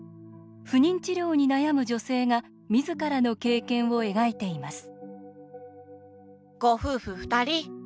不妊治療に悩む女性がみずからの経験を描いています